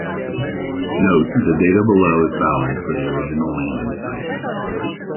Note: the data below is valid for the original landing sites.